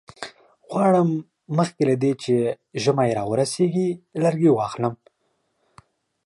غواړم مخکې له دې چې ژمی را ورسیږي لرګي واخلم.